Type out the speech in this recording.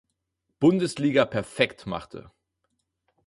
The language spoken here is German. Bundesliga perfekt machte.